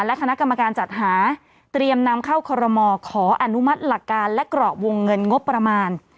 และคณะกรรมการจัดหาเตรียมนำเข้าคอรมอขออนุมัติหลักการและกรอบวงเงินงบประมาณ